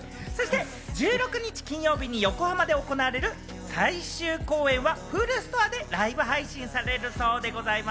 １６日金曜日に横浜で行われる最終公演はＨｕｌｕストアでライブ配信されるそうでございます。